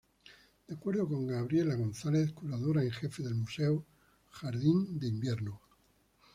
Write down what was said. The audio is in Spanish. De acuerdo con Gabriela González, curadora en jefe del museo, Jardín de invierno.